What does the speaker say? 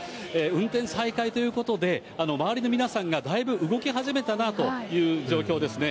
運転再開ということで、周りの皆さんがだいぶ動き始めたなという状況ですね。